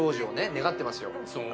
願ってますよ